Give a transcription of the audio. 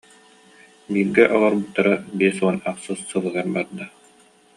Бииргэ олорбуттара биэс уон ахсыс сылыгар барда